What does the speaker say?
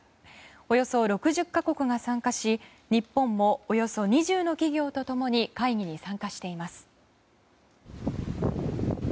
およそ６０か国が参加し日本もおよそ２０の企業と共に会議に参加しています。